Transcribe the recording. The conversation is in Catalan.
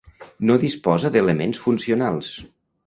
No disposa d'elements funcionals.